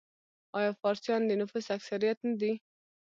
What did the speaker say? آیا فارسیان د نفوس اکثریت نه دي؟